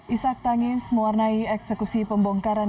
isak tangis mewarnai eksekusi pembongkaran